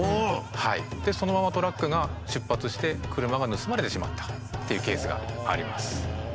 でそのままトラックが出発して車が盗まれてしまったっていうケースがあります。